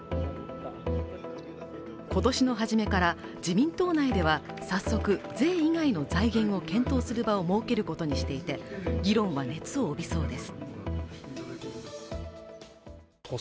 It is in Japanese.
今年の初めから自民党内では早速、税以外の財源を検討する場を設けることにしていて、議論は熱を帯びそうです。